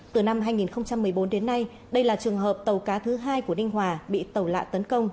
từ năm hai nghìn một mươi bốn đến nay đây là trường hợp tàu cá thứ hai của ninh hòa bị tàu lạ tấn công